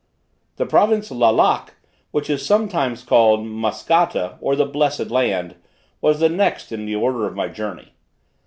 The province Lalak, which is sometimes called Maskatta, or the Blessed Land, was the next in the order of my journey.